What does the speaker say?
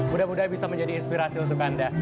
mudah mudahan bisa menjadi inspirasi untuk anda